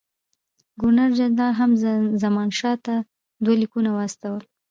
ګورنر جنرال هم زمانشاه ته دوه لیکونه واستول.